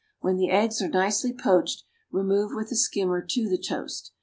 When the eggs are nicely poached, remove with a skimmer to the toast.